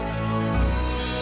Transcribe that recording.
sampai jumpa lagi shay